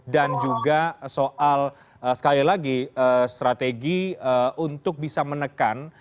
dan juga soal sekali lagi strategi untuk bisa menekan